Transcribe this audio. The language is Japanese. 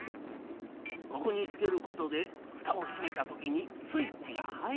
ここにつけることでふたをしめたときにスイッチが入るのじゃ。